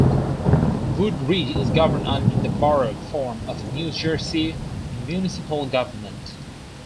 Wood-Ridge is governed under the Borough form of New Jersey municipal government.